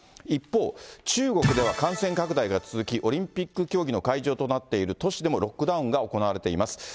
一方、中国では感染拡大が続き、オリンピック競技の会場となっている都市でもロックダウンが行われています。